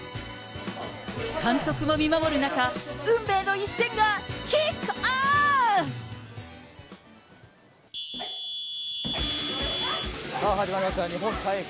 監督も見守る中、運命の一戦がキックオフ。